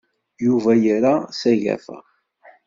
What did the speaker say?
Yuba yerra s agafa.